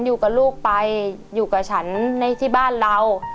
อยู่กับลูกไปอยู่กับฉันในที่บ้านเรา